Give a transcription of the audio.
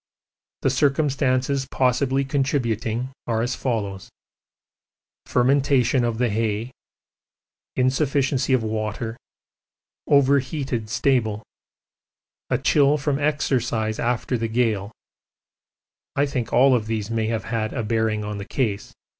The circumstances possibly contributing are as follows: fermentation of the hay, insufficiency of water, overheated stable, a chill from exercise after the gale I think all these may have had a bearing on the case.